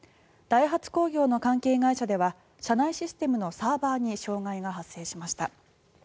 ダイハツ工業の関係会社では社内システムのサーバーに障害が発生しました。